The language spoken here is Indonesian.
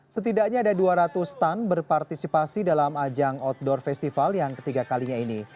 setidaknya ada dua ratus stand berpartisipasi dalam ajang outdoor festival yang ketiga kalinya ini